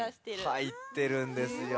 はいってるんですよ。